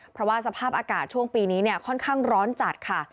เพราะว่าสภาพอากาศช่วงปีนี้เนี่ยค่อนข้างร้อนจัดค่ะ